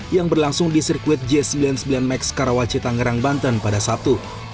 yang berlangsung di sirkuit j sembilan puluh sembilan max karawaci tangerang banten pada sabtu